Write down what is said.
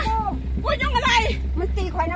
เมื่อมึงชุกกูก่อนนะ